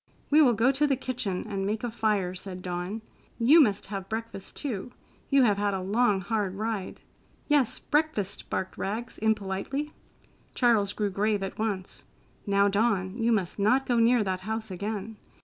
"We will go to the kitchen and make a fire," said Dawn. "You must have breakfast, too. You have had a long, hard ride." "Yes, breakfast!" barked Rags impolitely. Charles grew grave at once. "Now, Dawn, you must not go near that house again.